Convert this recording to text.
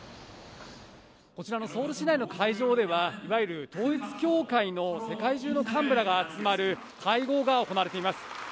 こちらのソウル市内の会場では、いわゆる統一教会の世界中の幹部らが集まる会合が行われています。